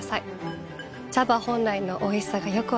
茶葉本来のおいしさがよく分かります。